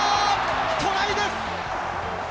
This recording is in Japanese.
トライです。